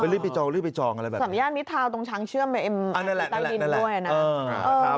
สำญาติมิตรธาวน์ตรงชั้นเชื่อมที่ต้ายรีนด้วยนะ